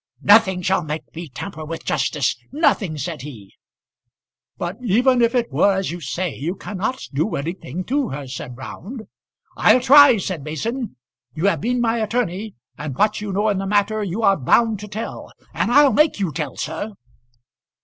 "Nothing shall make me tamper with justice; nothing," said he. "But even if it were as you say, you cannot do anything to her," said Round. "I'll try," said Mason. "You have been my attorney, and what you know in the matter you are bound to tell. And I'll make you tell, sir."